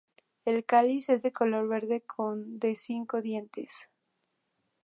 El cáliz es de color verde con de cinco dientes.